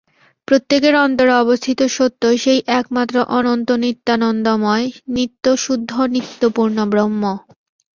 প্রত্যেকের অন্তরে অবস্থিত সত্য সেই একমাত্র অনন্ত নিত্যানন্দময় নিত্যশুদ্ধ নিত্যপূর্ণ ব্রহ্ম।